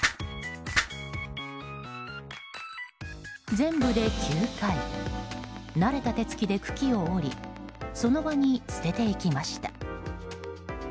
全部で９回慣れた手つきで茎を折りその場に捨てていきました。